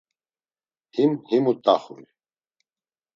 Him himu t̆axuy.